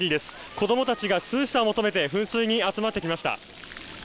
子供たちが涼しさを求めて噴水に集まってきました。